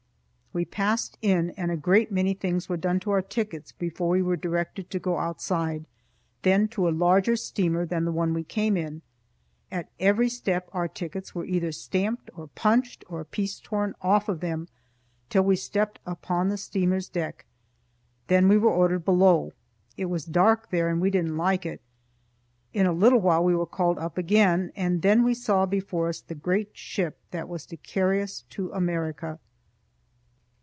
We passed in and a great many things were done to our tickets before we were directed to go outside, then to a larger steamer than the one we came in. At every step our tickets were either stamped or punched, or a piece torn off of them, till we stepped upon the steamer's deck. Then we were ordered below. It was dark there, and we didn't like it. In a little while we were called up again, and then we saw before us the great ship that was to carry us to America.